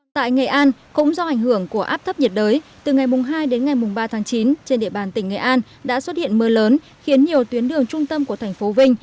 tại nghệ an cũng do ảnh hưởng của áp thấp nhiệt đới từ ngày hai đến ngày ba tháng chín trên địa bàn tỉnh nghệ an đã xuất hiện mưa lớn khiến nhiều tuyến đường trung tâm của thành phố vinh